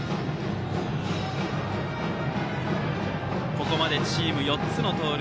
ここまでチーム４つの盗塁。